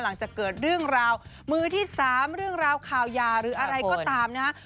หลังจากเกิดเรื่องราวมือที่๓เรื่องราวข่าวยาหรืออะไรก็ตามนะฮะ